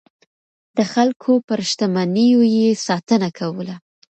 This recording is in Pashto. د خلکو پر شتمنيو يې ساتنه کوله.